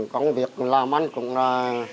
công việc làm ăn cũng là